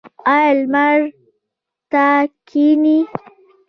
ایا لمر ته کینئ؟